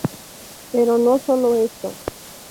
Pero no solo esto.